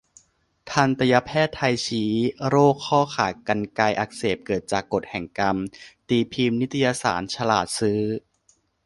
ทันตแพทย์ไทยชี้ "โรคข้อขากรรไกรอักเสบ เกิดจากกฎแห่งกรรม" ตีพิมพ์นิตยสาร 'ฉลาดซื้อ'